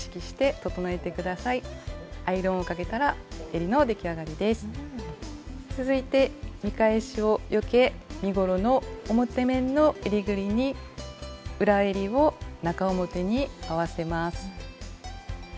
続いて見返しをよけ身ごろの表面のえりぐりに裏えりを中表に合わせます。